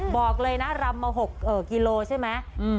บอกเลยนะรำมา๖กิโลใช่ไหม